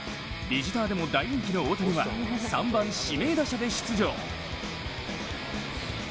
ビジターでも大人気の大谷は３番・指名打者で出場。